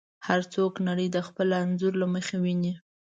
هر څوک نړۍ د خپل انځور له مخې ویني.